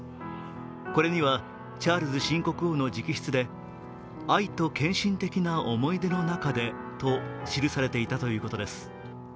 これにはチャールズ新国王の直筆で、「愛と献身的な思い出の中で」と記されていたということです。